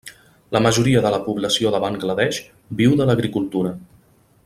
La majoria de la població de Bangla Desh viu de l'agricultura.